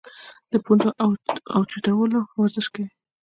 د پوندو اوچتولو ورزش کوی -